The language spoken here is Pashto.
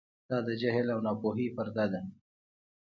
دا د جهل او ناپوهۍ پرده ده.